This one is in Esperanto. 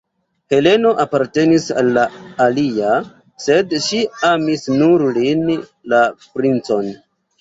Heleno apartenis al la alia, sed ŝi amis nur lin, la princon.